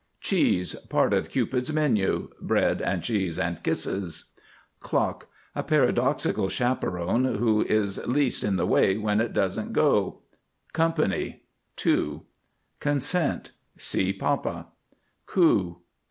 CHEESE. Part of Cupid's Menu (Bread and Cheese and Kisses). CLOCK. A paradoxical chaperon who is least in the way when it doesn't go. COMPANY. 2. CONSENT. See Papa. COO.